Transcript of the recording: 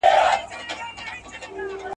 اې په خوب ویده ماشومه! ..